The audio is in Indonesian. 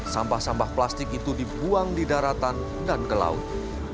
sampah sampah plastik itu dibuang di daratan dan ke laut